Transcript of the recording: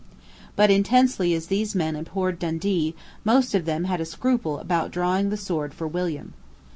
But, intensely as these men abhorred Dundee, most of them had a scruple about drawing the sword for William.